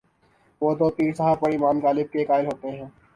وہ تو پیر صاحب پر ایمان بالغیب کے قائل ہوتے ہیں۔